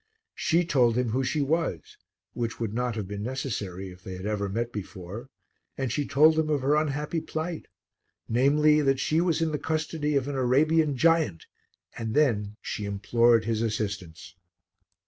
She told him who she was, which would not have been necessary if they had ever met before, then she told him of her unhappy plight, namely, that she was in the custody of an Arabian giant, and then she implored his assistance.